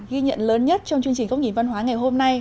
ghi nhận lớn nhất trong chương trình góc nhìn văn hóa ngày hôm nay